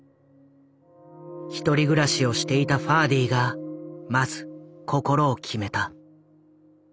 １人暮らしをしていたファーディがまず心を決めた。